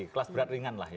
kelas berat ringan lah ini